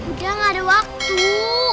udah gak ada waktu